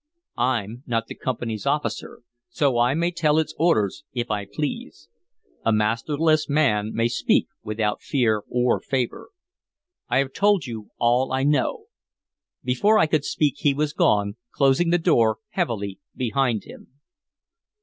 I'm not the Company's officer, so I may tell its orders if I please. A masterless man may speak without fear or favor. I have told you all I know." Before I could speak he was gone, closing the door heavily behind him.